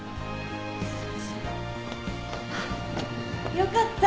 よかった